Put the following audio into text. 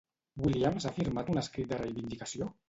Williams ha firmat un escrit de reivindicació?